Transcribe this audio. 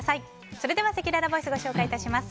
それでは、せきららボイスをご紹介します。